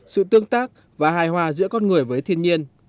sự tương tác và hài hòa giữa con người với thiên nhiên